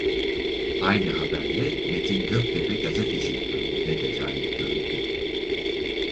Aynı haberle Metin Göktepe Gazetecilik Ödülü'ne de lâyık görüldü.